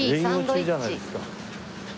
営業中じゃないですか。